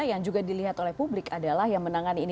yang juga dilihat oleh publik adalah yang menangani ini